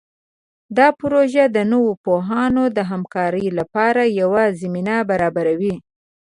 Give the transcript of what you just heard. دا پروژه د نوو پوهانو د همکارۍ لپاره یوه زمینه برابروي.